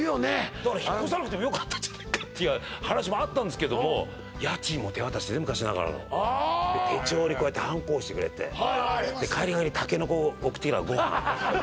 だから引っ越さなくてもよかったんじゃないかっていう話もあったんですけども家賃も手渡しでね昔ながらのああ手帳にこうやってハンコ押してくれて帰りがけにタケノコ送ってきたからご飯